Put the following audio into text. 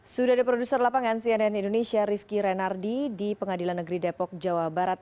sudah ada produser lapangan cnn indonesia rizky renardi di pengadilan negeri depok jawa barat